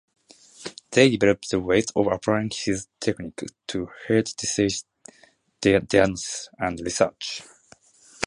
They developed ways of applying his technique to heart disease diagnosis and research.